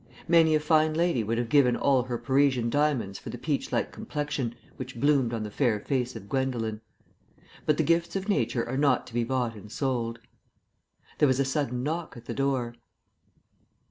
Many a fine lady would have given all her Parisian diamonds for the peach like complexion which bloomed on the fair face of Gwendolen. But the gifts of Nature are not to be bought and sold. There was a sudden knock at the door.